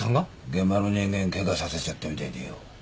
現場の人間ケガさせちゃったみたいでよ。